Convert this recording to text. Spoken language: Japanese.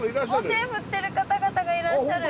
手振ってる方々がいらっしゃる。